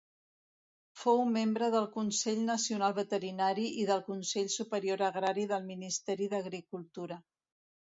Fou membre del Consell Nacional Veterinari i del Consell Superior Agrari del Ministeri d'Agricultura.